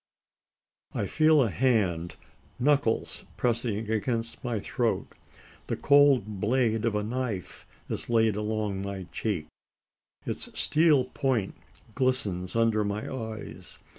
I feel a hand knuckles pressing against my throat; the cold blade of a knife is laid along my cheek; its steel point glistens under my eyes.